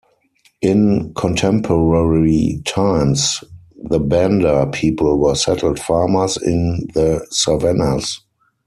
In contemporary times, the Banda people are settled farmers in the Savannas.